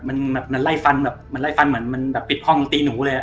มันแบบมันไล่ฟันแบบมันไล่ฟันเหมือนมันแบบปิดห้องตีหนูเลย